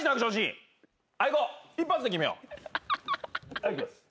はいいきます。